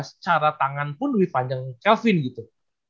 secara tangan pun lebih panjang kelvin gitu